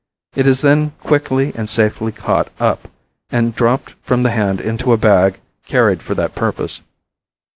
It is then quickly and safely caught up and dropped from the hand into a bag carried for that purpose.